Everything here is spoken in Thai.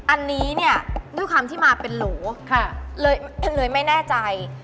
อันนี้เนี่ยด้วยความที่มาเป็นโหลเลยไม่แน่ใจ